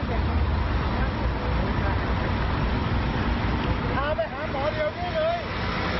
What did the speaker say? จะเอาไปหาหมอเรียวง่านี้เห้ย